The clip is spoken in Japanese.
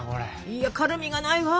いや軽みがないわ。